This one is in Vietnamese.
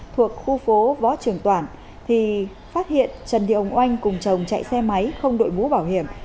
thuộc khu phố võ trường toản thì phát hiện trần thị ông oanh cùng chồng chạy xe máy không đội mũ bảo hiểm